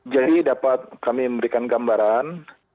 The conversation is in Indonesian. jadi dapat kami memberikan gambaran